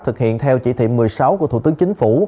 thực hiện theo chỉ thị một mươi sáu của thủ tướng chính phủ